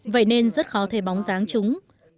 vậy nên rất khó thể bóng dáng chúng